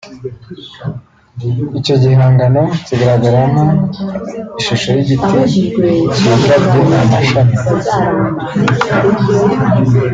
Icyo gihangano kigaragaramo ishusho y’igiti kigabye amashami